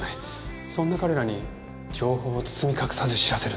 そんな彼らに情報を包み隠さず知らせる。